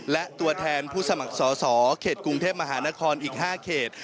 และตัวแทนผู้สมัครสอสอเขตกรุงเทพมหานครอีก๕เขต